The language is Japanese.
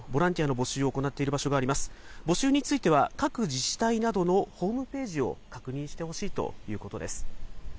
募集については、各自治体などのホームページを確認してほしいということです。